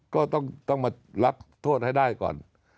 ก็ต้องมารับโทษให้ได้ก่อน